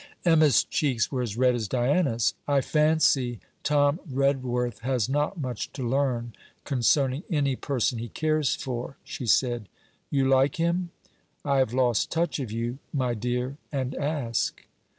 Emma's cheeks were as red as Diana's. 'I fancy Tom Redworth has not much to learn concerning any person he cares for,' she said. 'You like him? I have lost touch of you, my dear, and ask.'